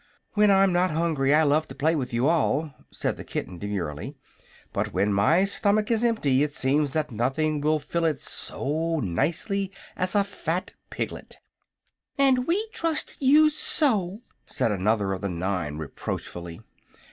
"When I'm not hungry, I love to play with you all," said the kitten, demurely; "but when my stomach is empty it seems that nothing would fill it so nicely as a fat piglet." "And we trusted you so!" said another of the nine, reproachfully.